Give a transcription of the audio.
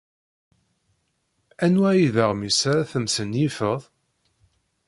Anwa ay d aɣmis ara tesmenyifed?